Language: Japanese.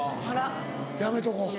やめとこう。